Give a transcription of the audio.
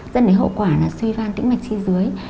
dẫn đến hậu quả là suy van tĩnh mạch chi dưới